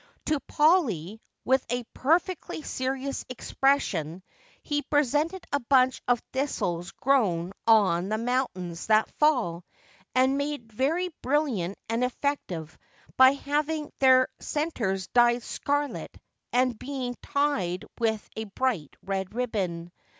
To Polly, with a perfectly serious expression, he presented a bunch of thistles grown on the mountains that fall and made very brilliant and effective by having their centers dyed scarlet and being tied with a bright red ribbon.